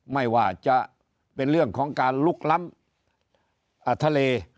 ไม่ว่าจะเป็นเรื่องของการลุกล้ำทะเล